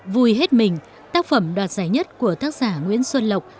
vui hết mình tác phẩm đoạt giải nhất của tác giả nguyễn xuân lộc